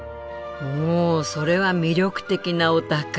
おおそれは魅力的なお宝。